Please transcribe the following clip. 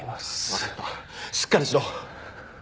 分かったしっかりしろ！